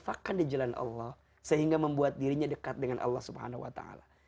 bahkan di jalan allah sehingga membuat dirinya dekat dengan allah subhanahu wa ta'ala